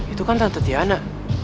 itu kan tante tiana